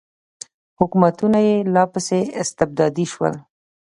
حکومتونه یې لا پسې استبدادي شول.